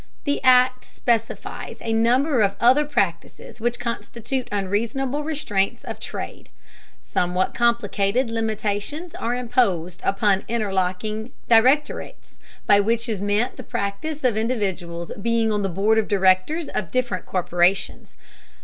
The Act specifies a number of other practices which constitute unreasonable restraints of trade. Somewhat complicated limitations are imposed upon interlocking directorates, by which is meant the practice of individuals being on the board of directors of different corporations.